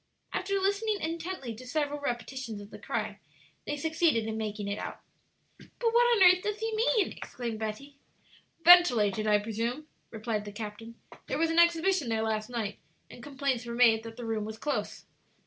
After listening intently to several repetitions of the cry, they succeeded in making it out. "But what on earth does he mean?" exclaimed Betty. "Ventilated, I presume," replied the captain. "There was an exhibition there last night, and complaints were made that the room was close."